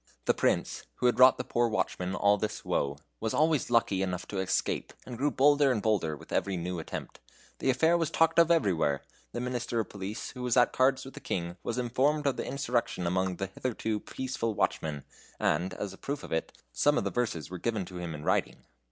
The Prince, who had wrought the poor watchmen all this woe, was always lucky enough to escape, and grew bolder and bolder with every new attempt. The affair was talked of everywhere. The Minister of Police, who was at cards with the King, was informed of the insurrection among the hitherto peaceful watchmen, and, as a proof of it, some of the verses were given to him in writing.